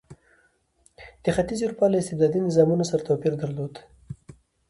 د ختیځې اروپا له استبدادي نظامونو سره توپیر درلود.